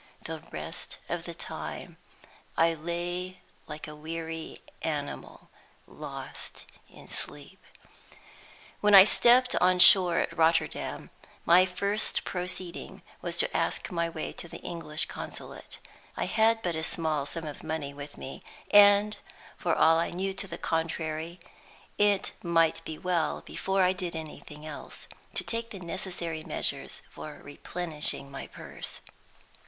The rest of the time I lay like a weary animal, lost in sleep. When I stepped on shore at Rotterdam, my first proceeding was to ask my way to the English Consulate. I had but a small sum of money with me; and, for all I knew to the contrary, it might be well, before I did anything else, to take the necessary measures for replenishing my purse.